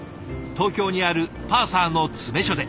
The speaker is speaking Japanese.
東京にあるパーサーの詰め所で。